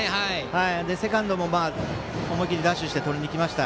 セカンドも思い切りダッシュしてとりにいきました。